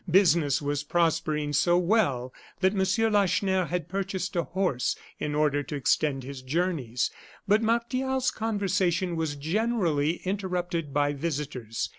Business was prospering so well that M. Lacheneur had purchased a horse in order to extend his journeys. But Martial's conversation was generally interrupted by visitors.